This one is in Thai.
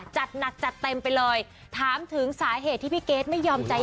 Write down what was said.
จัดหนักจัดเต็มไปเลยถามถึงสาเหตุที่พี่เกรทไม่ยอมใจ